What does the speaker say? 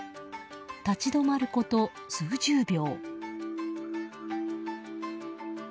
立ち止まること数十秒。